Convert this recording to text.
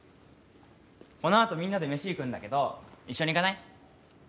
このあとみんなで飯行くんだけど一緒に行かない？